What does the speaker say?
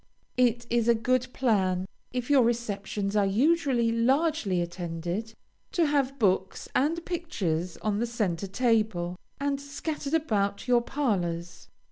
It is a good plan, if your receptions are usually largely attended, to have books and pictures on the centre table, and scattered about your parlors.